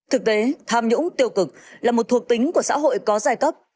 thực tế tham nhũng tiêu cực là một thuộc tính của xã hội có giai cấp